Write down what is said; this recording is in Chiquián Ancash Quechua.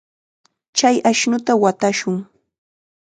Chay ashnuta watashun.